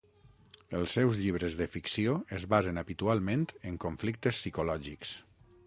Els seus llibres de ficció es basen habitualment en conflictes psicològics.